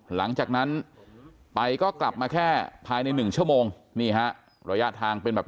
หลังจากนั้นไปก็กลับมาแค่ภายในหนึ่งชั่วโมงนี่ฮะระยะทางเป็นแบบ